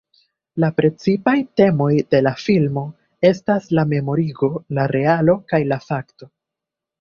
La precipaj temoj de la filmo estas la memorigo, la realo kaj la fakto.